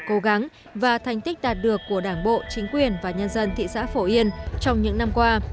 cố gắng và thành tích đạt được của đảng bộ chính quyền và nhân dân thị xã phổ yên trong những năm qua